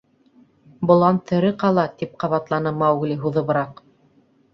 — Болан тере ҡала, — тип ҡабатланы Маугли һуҙыбыраҡ.